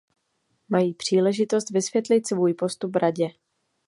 Mají příležitost vysvětlit svůj postup Radě.